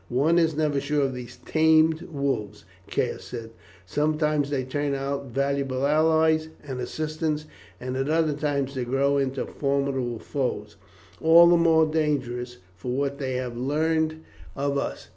"One is never sure of these tamed wolves," Caius said; "sometimes they turn out valuable allies and assistants, at other times they grow into formidable foes, all the more dangerous for what they have learned of us.